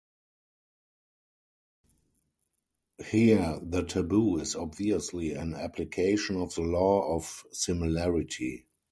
Here the taboo is obviously an application of the law of similarity.